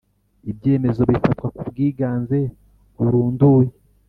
Ibyemezo bifatwa ku bwiganze burunduye